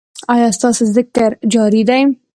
ایا ستاسو ذکر جاری دی؟